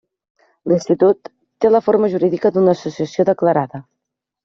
L'institut té la forma jurídica d'una associació declarada.